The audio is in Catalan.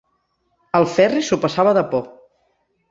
El Ferri s'ho passava de por.